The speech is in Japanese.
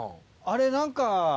あれ何か。